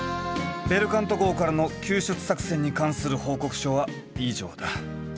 ベルカント号からの救出作戦に関する報告書は以上だ。